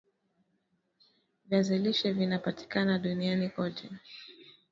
viazi lishe vinapatikana duniani kote